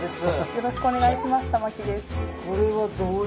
よろしくお願いします玉城です。